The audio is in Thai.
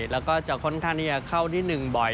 แล้วก็จะค้นทางที่จะเข้าที่หนึ่งบ่อย